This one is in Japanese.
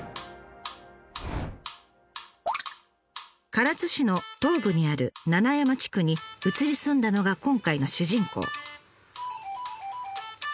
唐津市の東部にある七山地区に移り住んだのが今回の主人公。